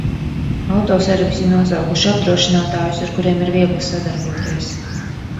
Autoservisi nosaukuši apdrošinātājus ar kuriem ir viegli sadarboties.